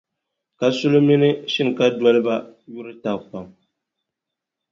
Kasuli mini Shinkadoliba yuri taba pam.